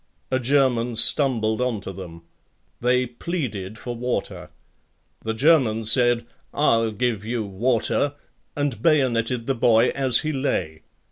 A German stumbled on to them. They pleaded for water. The German said, "I'll give you water" and bayoneted the boy as he lay.